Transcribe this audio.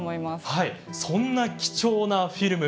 はいそんな貴重なフィルム